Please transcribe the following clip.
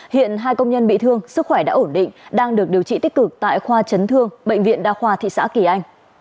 hiện hai công nhân bị thương sức khỏe đã ổn định đang được điều trị tích cực tại khoa chấn thương bệnh viện đa khoa thị xã kỳ anh